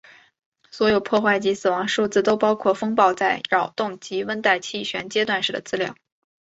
所有破坏及死亡数字都包括风暴在扰动及温带气旋阶段时的资料。